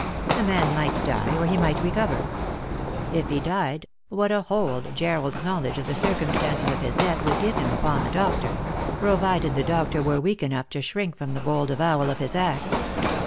The man might die or he might recover. If he died, what a hold Jarred's knowledge of the circumstances of his death would give him upon the doctor ; provided the doctor were weak enough to shrink from the bold avowal of his act